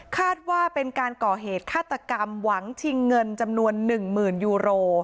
คาดว่าเป็นการก่อเหตุฆาตกรรมหวังชิงเงินจำนวน๑๐๐๐ยูโร